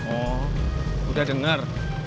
oh udah denger